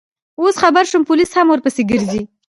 اوس خبر شوم، پولیس هم ورپسې ګرځي.